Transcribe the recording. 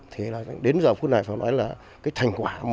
thì là đến giờ phút này phải nói là cái thành quả